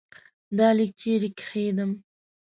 دا لیک چيري کښېږدم ؟